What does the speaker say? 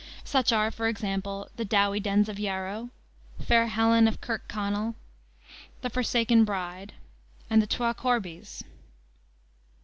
Such are, for example, The Dowie Dens of Yarrow, Fair Helen of Kirkconnell, The Forsaken Bride, and The Twa Corbies.